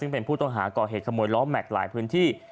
เป็นผู้ต้องหาก่อเหตุขโมยล้อมแมคหลายพื้นที่